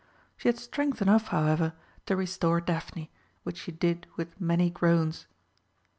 She had strength enough, however, to restore Daphne, which she did with many groans.